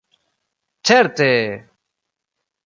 Certe!